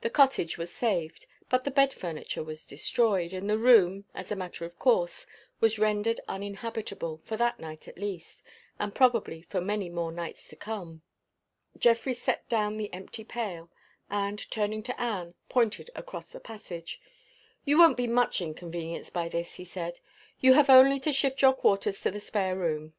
The cottage was saved. But the bed furniture was destroyed; and the room, as a matter of course, was rendered uninhabitable, for that night at least, and probably for more nights to come. Geoffrey set down the empty pail; and, turning to Anne, pointed across the passage. "You won't be much inconvenienced by this," he said. "You have only to shift your quarters to the spare room."